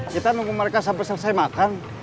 kita nunggu mereka sampai selesai makan